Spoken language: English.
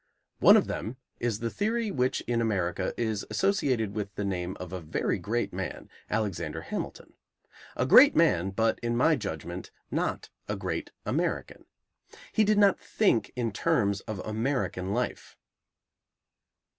One of them is the theory which in America is associated with the name of a very great man, Alexander Hamilton. A great man, but, in my judgment, not a great American. He did not think in terms of American life.